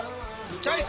チョイス！